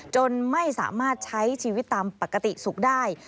จนไม่สามารถใช้ชีวิตตามปกติสุขได้